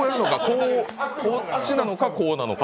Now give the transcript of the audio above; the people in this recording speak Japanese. こっちなのか、こうなのか？